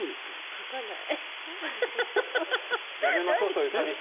かかない。